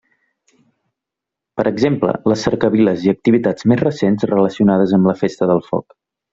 Per exemple, les cercaviles i activitats més recents relacionades amb la festa del foc.